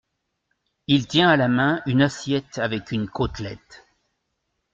Il tient à la main une assiette avec une côtelette.